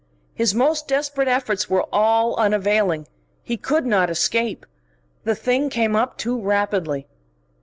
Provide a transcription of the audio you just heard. His most desperate efforts were all unavailing. He could not escape. The thing came up too rapidly.